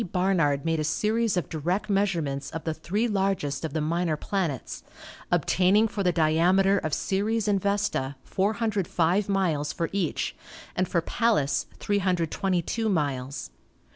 Barnard made a series of direct measurements of the three largest of the minor planets, obtaining for the diameter of Ceres and Vesta 405 miles for each, and for Pallas 322 miles.